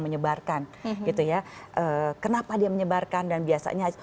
menyebarkan gitu ya kenapa dia menyebarkan dan biasanya